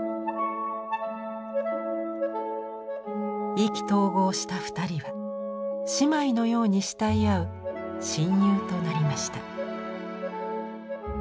意気投合した２人は姉妹のように慕い合う親友となりました。